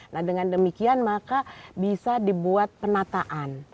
nah dengan demikian maka bisa dibuat penataan